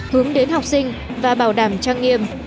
hướng đến học sinh và bảo đảm trang nghiệm